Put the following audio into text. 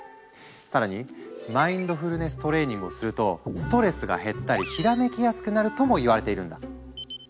更にマインドフルネス・トレーニングをするとストレスが減ったりひらめきやすくなるともいわれているんだ。